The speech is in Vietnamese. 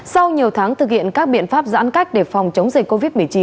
sau nhiều tháng thực hiện các biện pháp giãn cách để phòng chống dịch covid một mươi chín